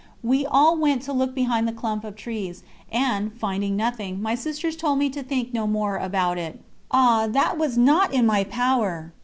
We all went to look behind the clump of trees, and, finding nothing, my sisters told me to think no more about it. Ah, that was not in my power!